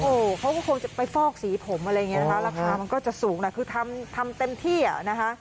โอ้โหเขาก็คงจะไปฟอกสีผมอะไรอย่างนี้นะคะราคามันก็จะสูงนะคือทำทำเต็มที่อ่ะนะคะ